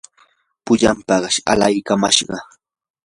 pullan paqas alaykamashqaa.